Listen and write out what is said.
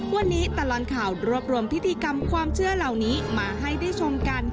วันนี้ตลอดข่าวรวบรวมพิธีกรรมความเชื่อเหล่านี้มาให้ได้ชมกัน